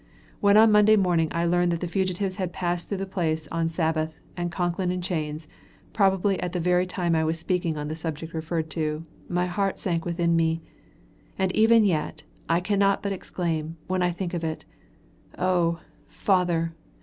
When on Monday morning I learned that the fugitives had passed through the place on Sabbath, and Concklin in chains, probably at the very time I was speaking on the subject referred to, my heart sank within me. And even yet, I cannot but exclaim, when I think of it O, Father!